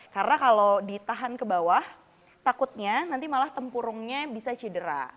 karena kalau ditahan ke bawah takutnya nanti malah tempurungnya bisa cedera